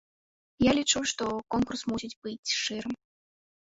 Я лічу, што конкурс мусіць быць шчырым.